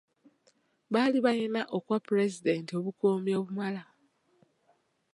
Baali balina okuwa pulezidenti obukuumi obumala.